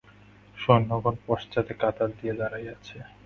সৈন্যগণ পশ্চাতে কাতার দিয়া দাঁড়াইয়াছে।